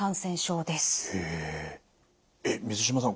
えっ水島さん